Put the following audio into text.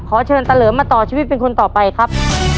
ขอเชิญตะเหลิมมาต่อชีวิตเป็นคนต่อไปครับ